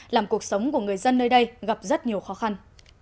làm cuộc sống của người dân nơi đây gặp rất nhiều khó khăn